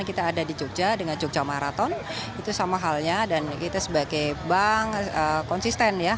kita ada di jogja dengan jogja maraton itu sama halnya dan kita sebagai bank konsisten ya